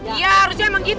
iya harusnya emang gitu